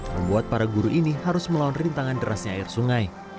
membuat para guru ini harus melawan rintangan derasnya air sungai